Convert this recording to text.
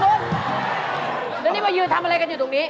เรื่องนี้ว่ายืนทำอะไรกันอยู่ตรงนี้